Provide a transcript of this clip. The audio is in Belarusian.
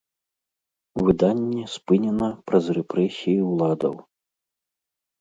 Выданне спынена праз рэпрэсіі ўладаў.